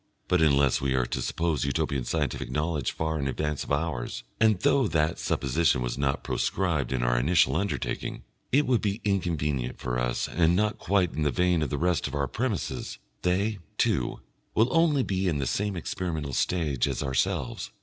But unless we are to suppose Utopian scientific knowledge far in advance of ours and though that supposition was not proscribed in our initial undertaking, it would be inconvenient for us and not quite in the vein of the rest of our premises they, too, will only be in the same experimental stage as ourselves.